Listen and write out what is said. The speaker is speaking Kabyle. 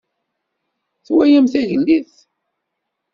Twalam tagellidt?